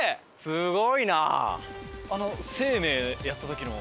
すごいな！